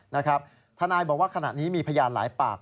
ทนายบอกว่าขณะนี้มีพยานหลายปาก